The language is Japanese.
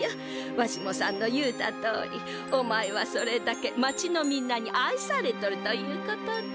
わしもさんの言うたとおりおまえはそれだけ町のみんなにあいされとるということじゃ。